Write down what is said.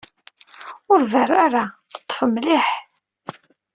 Ur berru ara! Ṭṭef mliḥ!